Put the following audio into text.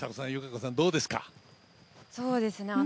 そうですね。